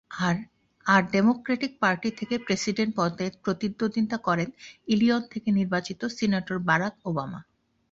আর democratic party থেকে president পদে প্রতিদ্বন্দ্বিতা করেন ইলিনয় থেকে নির্বাচিত সিনেটর বারাক ওবামা।